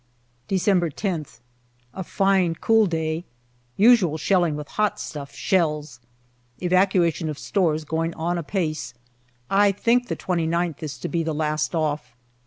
December A fine, cool day. Usual shelling with " hot stuff " shells. Evacuation of stores going on apace. I think the 2Qth is to be the last off.